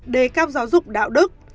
đề cao giáo dục đạo đức